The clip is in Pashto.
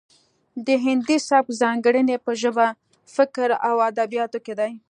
د هندي سبک ځانګړنې په ژبه فکر او ادبیاتو کې دي